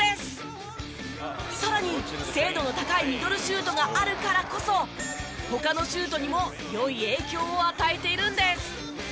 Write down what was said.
更に精度の高いミドルシュートがあるからこそ他のシュートにも良い影響を与えているんです。